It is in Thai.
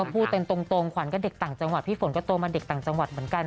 พูดกันตรงขวัญก็เด็กต่างจังหวัดพี่ฝนก็โตมาเด็กต่างจังหวัดเหมือนกัน